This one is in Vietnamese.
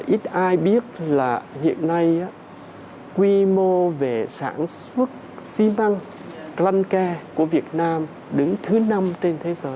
ít ai biết là hiện nay quy mô về sản xuất xi măng răn ca của việt nam đứng thứ năm trên thế giới